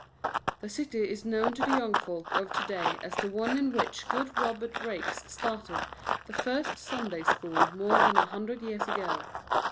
The city is known to the young folk of to day as the one in which good Robert Raikes started the first Sunday school more than a hundred years ago.